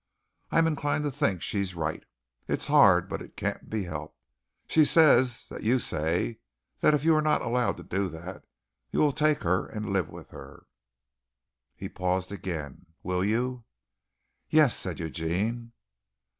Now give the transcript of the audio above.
I'm inclined to think she's right. It's hard, but it can't be helped. She says that you say that if you are not allowed to do that, you will take her and live with her." He paused again. "Will you?" "Yes," said Eugene.